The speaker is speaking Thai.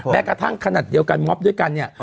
แม้กระทั่งขนาดเดียวกันม็อบด้วยกันเนี่ย